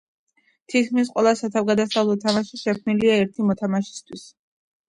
თითქმის ყველა სათავგადასავლო თამაში შექმნილია ერთი მოთამაშისთვის.